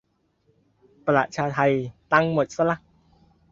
ประชาไท ตังค์หมดซะละ